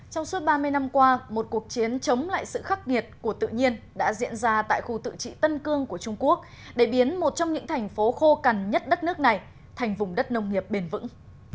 trong suốt ba mươi năm qua một cuộc chiến chống lại sự khắc nghiệt của tự nhiên đã diễn ra tại khu tự trị tân cương của trung quốc để biến một trong những thành phố khô cằn nhất đất nước này thành vùng đất nông nghiệp bền vững